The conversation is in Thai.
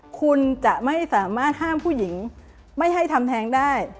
คุณจะไม่สามารถห้ามผู้หญิงไม่ให้ทำแท้งได้